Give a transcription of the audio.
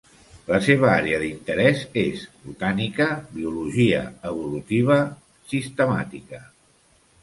La seva àrea d'interès és Botànica, Biologia Evolutiva, Sistemàtica.